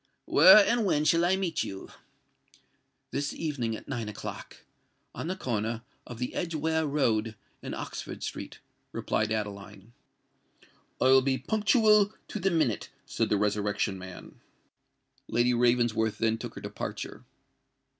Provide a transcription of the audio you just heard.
"Where and when shall I meet you?" "This evening, at nine o'clock—at the corner of the Edgeware Road and Oxford Street," replied Adeline. "I will be punctual to the minute," said the Resurrection Man. Lady Ravensworth then took her departure.